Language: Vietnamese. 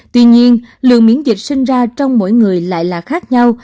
tuy nhiên lượng miễn dịch sinh ra trong mỗi người lại là khác nhau